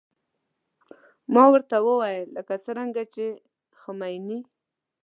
ما ورته وويل لکه څنګه چې خميني.